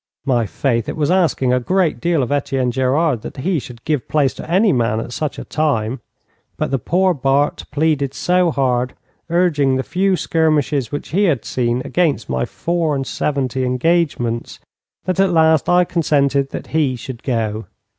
My faith, it was asking a great deal of Etienne Gerard that he should give place to any man at such a time! But the poor Bart pleaded so hard, urging the few skirmishes which he had seen against my four and seventy engagements, that at last I consented that he should go.